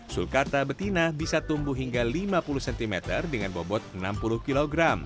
sulkarta betina bisa tumbuh hingga lima puluh cm dengan bobot enam puluh kg